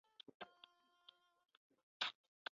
其下的波纹是东平湖。